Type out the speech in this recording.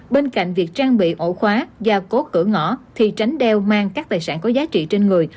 bên cạnh việc trang bị ổ khóa gia cố cửa ngõ thì tránh đeo mang các tài sản có giá trị trên người